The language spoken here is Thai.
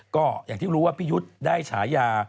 ก็อย่างที่รู้ว่าพี่ยุทธ์ได้ฉายา